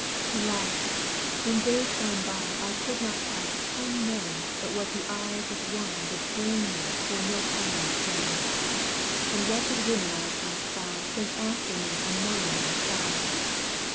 Alas! In days gone by I could not pass Ten men but what the eyes of one Would burn me for no kindness done; And wretched women I passed by Sent after me a moan or sigh.